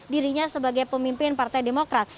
dirinya sebagai pemimpin partai demokrat